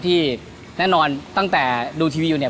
ที่แน่นอนตั้งแต่ดูทีวีอยู่เนี่ย